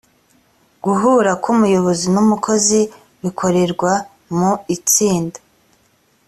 guhura k umuyobozi n umukozi bikorerwa mu itsinda